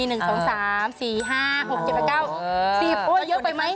เยอะไปไหม